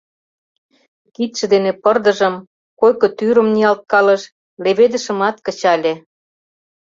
Кидше дене пырдыжым, койко тӱрым ниялткалыш, леведышымат кычале.